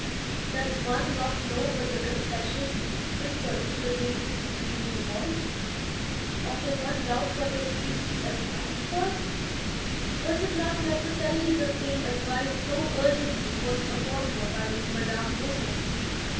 Does one not know what the 'Confession,' whispered through the grating, really was? Or can one doubt what the Priest's advice was? Was it not necessarily the same advice so urgently forced upon her by Madame Heger?